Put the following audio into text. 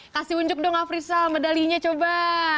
kasih unjuk dong afrisa medalinya coba